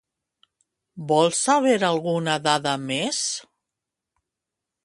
Vol saber alguna dada més?